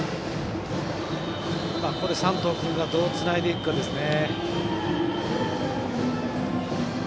ここで山藤君がどうつないでいくかですね。